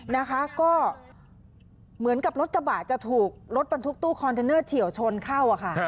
นะคะก็เหมือนกับรถกระบะจะถูกรถบรรทุกตู้คอนเทนเนอร์เฉียวชนเข้าค่ะ